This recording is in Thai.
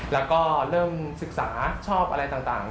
แล้วก็เริ่มศึกษาชอบอะไรต่าง